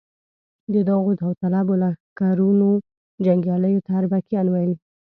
د دغو داوطلبو لښکرونو جنګیالیو ته اربکیان ویل.